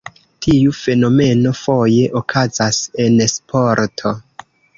Tiu fenomeno foje okazas en sporto.